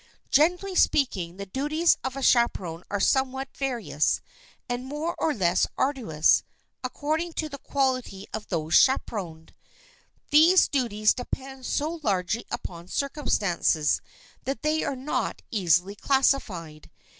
Generally speaking, the duties of a chaperon are somewhat various, and more or less arduous, according to the quality of those chaperoned. These duties depend so largely upon circumstances that they are not easily classified.